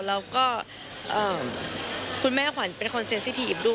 แล้วก็เอ่อคุณแม่ขวัญเป็นคนเซ็นสิทีฟด้วย